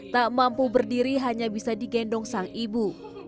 tak mampu berdiri hanya bisa digendong sang ibu